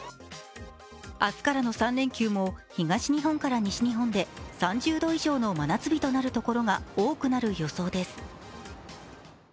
明日からの３連休も東日本から西日本で３０度以上の真夏日となるところが多くなる予想です。